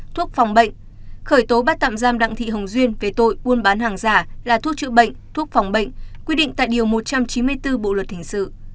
thuốc phòng bệnh khởi tố bắt tạm giam đặng thị hồng duyên về tội buôn bán hàng giả là thuốc chữa bệnh thuốc phòng bệnh quy định tại điều một trăm chín mươi bốn bộ luật hình sự